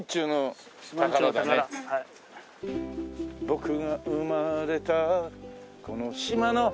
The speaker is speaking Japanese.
「僕が生まれたこの島の」